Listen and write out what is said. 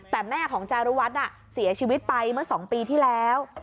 แต่แม่ของจารุวัฒน์เสียชีวิตไปเมื่อ๒ปีที่แล้ว